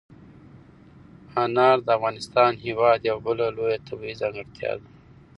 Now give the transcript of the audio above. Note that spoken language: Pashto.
انار د افغانستان هېواد یوه بله لویه طبیعي ځانګړتیا ده.